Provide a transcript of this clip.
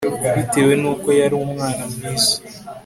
bitewe nuko yari umwana mwiza